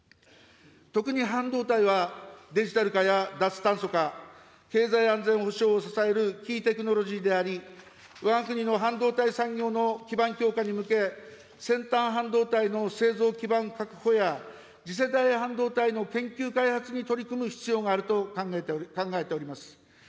特に半導体は、デジタル化や脱炭素化、経済安全保障を支えるキーテクノロジーであり、わが国の半導体産業の基盤強化に向け、先端半導体の製造基盤確保や、次世代半導体の研究開発に取り組む必要があると考えております。